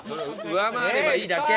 上回ればいいだけ。